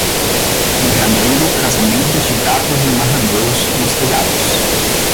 Em janeiro, casamentos de gatos e marrameus nos telhados.